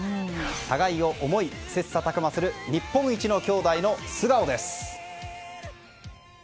互いを思い切磋琢磨する日本一の兄妹の素顔です。